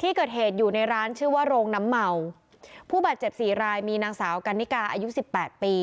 ที่เกิดเหตุอยู่ในร้านชื่อว่าโรงน้ำเมาผู้บาดเจ็บสี่รายมีนางสาวกันนิกาอายุสิบแปดปี